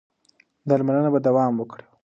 درملنه به دوام وکړي.